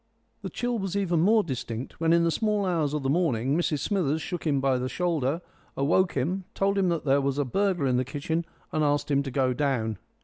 The chill was even more distinct when in the small hours of the morning Mrs Smithers shook him by the shoulder, awoke him, told him that there was a burglar in the kitchen, and asked him to go down.